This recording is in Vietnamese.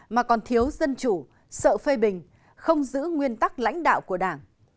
mà còn thiếu dân chủ sợ phê bình không giữ nguyên tắc lãnh đạo của đảng